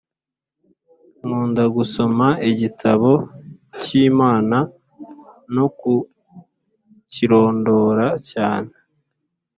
Nkunda gusoma igitabo cy’Imana no kukirondora cyane